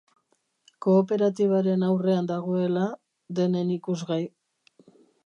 Kooperatibaren aurrean dagoela, denen ikusgai.